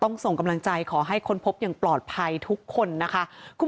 ส่งกำลังใจขอให้ค้นพบอย่างปลอดภัยทุกคนนะคะ